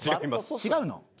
違うの？